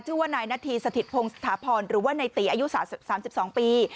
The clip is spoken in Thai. ชื่อว่านายนาธีสถิตพงศาพรหรือว่าในตีอายุ๓๒ปี